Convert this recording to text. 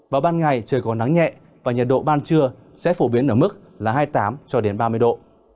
vào ban ngày trời còn nắng nhẹ và nhiệt độ ban trưa sẽ phổ biến ở mức là hai mươi tám ba mươi độ